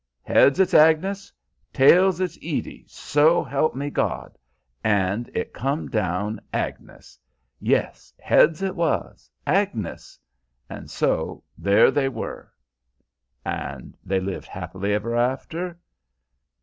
"Heads it's Agnes, tails it's Edie, so help me God. And it come down Agnes, yes, heads it was Agnes and so there they were." "And they lived happy ever after?"